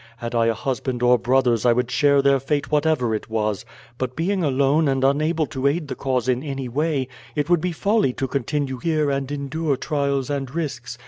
Had I a husband or brothers I would share their fate whatever it was, but being alone and unable to aid the cause in any way it would be folly to continue here and endure trials and risks.